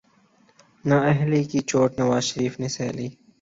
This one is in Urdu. نااہلی کی چوٹ نواز شریف نے سہہ لی۔